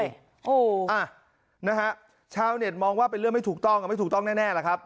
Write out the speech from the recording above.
โอ้โหอ่ะนะฮะชาวเน็ตมองว่าเป็นเรื่องไม่ถูกต้องไม่ถูกต้องแน่ล่ะครับ